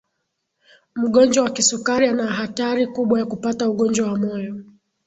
mgonjwa wa kisukari ana hatari kubwa ya kupata ugonjwa wa moyo